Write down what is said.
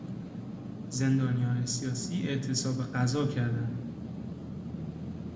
زندانیان سیاسی اعتصاب غذا کردند.